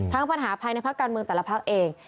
ทั้งปัญหาภายในภาคกรรมเมืองแต่ละภาคเอง